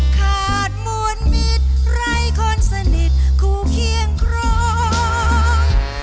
ขาดมวลมิตรไร้คนสนิทคู่เคียงครอง